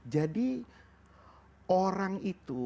jadi orang itu